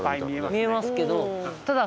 見えますけどただ。